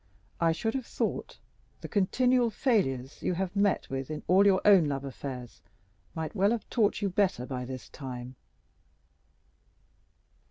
I should have thought the continual failures you have met with in all your own love affairs might have taught you better by this time."